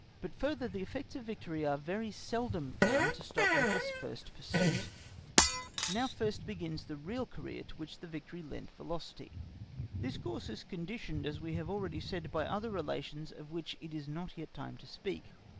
But further, the effects of victory are very seldom found to stop with this first pursuit; now first begins the real career to which victory lent velocity. This course is conditioned as we have already said, by other relations of which it is not yet time to speak.